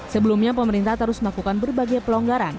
sebelumnya pemerintah terus melakukan berbagai pelonggaran